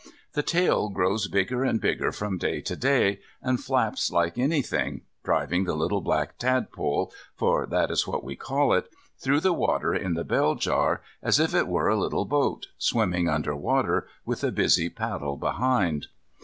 The tail grows bigger and bigger from day to day, and flaps like anything, driving the little black tadpole (for that is what we call it) through the water in the bell jar, as if it were a little boat, swimming under water, with a busy paddle behind.